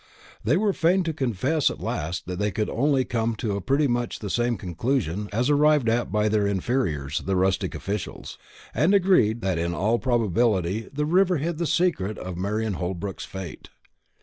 They were fain to confess at last that they could only come to pretty much the same conclusion as that arrived at by their inferiors, the rustic officials; and agreed that in all probability the river hid the secret of Marian Holbrook's fate.